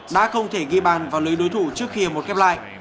đã không thể ghi bàn vào lưới đối thủ trước khi một kép lại